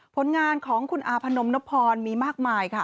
ผลงานของคุณอาพนมนพรมีมากมายค่ะ